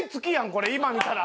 これ今見たら。